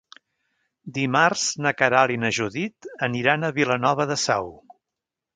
Dimarts na Queralt i na Judit aniran a Vilanova de Sau.